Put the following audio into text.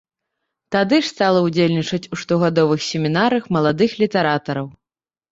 Тады ж стала ўдзельнічаць у штогадовых семінарах маладых літаратараў.